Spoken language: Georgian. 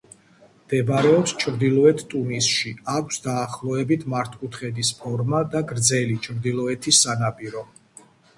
მდებარეობს ჩრდილოეთ ტუნისში, აქვს დაახლოებით მართკუთხედის ფორმა და გრძელი ჩრდილოეთის სანაპირო.